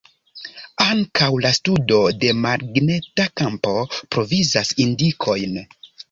Ankaŭ la studo de magneta kampo provizas indikojn.